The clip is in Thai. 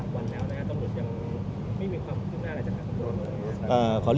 หมอบรรยาหมอบรรยา